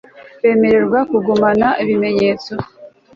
bemererwaga kugumana ibimenyetso